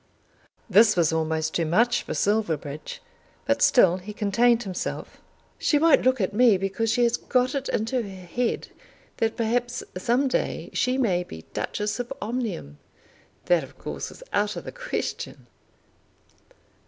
This was almost too much for Silverbridge; but still he contained himself. "She won't look at me because she has got it into her head that perhaps some day she may be Duchess of Omnium! That of course is out of the question."